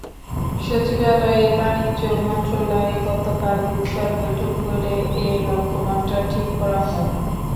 সচিবালয়ের বাণিজ্য মন্ত্রণালয়ে গতকাল বুধবার বৈঠক করে এ লক্ষ্যমাত্রা ঠিক করা হয়।